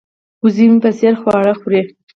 وزه مې په ځیر خواړه خوري.